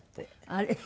あれ？